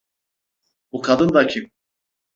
Bu kadın da kim?